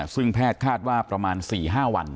ซึ่งแพทย์คาดว่าประมาณ๔๕วัน